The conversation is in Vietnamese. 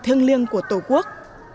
thương liêng của tổ quốc